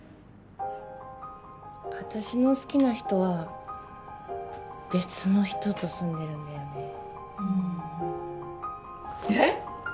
私の好きな人は別の人と住んでるんだよねうんえっ！？